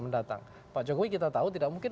mendatang pak jokowi kita tahu tidak mungkin